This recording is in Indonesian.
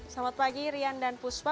selamat pagi rian dan puspa